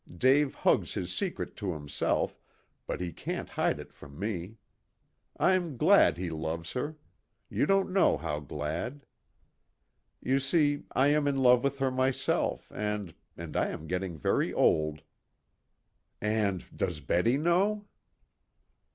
Dave hugs his secret to himself, but he can't hide it from me. I'm glad he loves her. You don't know how glad. You see, I am in love with her myself, and and I am getting very old." "And does Betty know?"